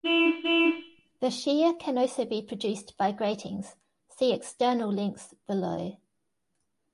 The shear can also be produced by gratings, see "External Links" below.